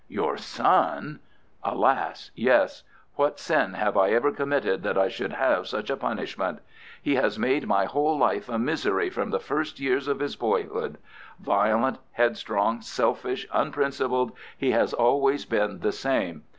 "Your son?" "Alas, yes. What sin have I ever committed that I should have such a punishment? He has made my whole life a misery from the first years of his boyhood. Violent, headstrong, selfish, unprincipled, he has always been the same.